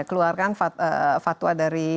keluarkan fatwa dari